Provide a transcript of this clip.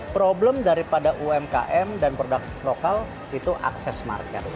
problem daripada umkm dan produk lokal itu akses market